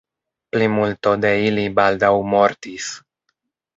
Plimulto de ili baldaŭ mortis.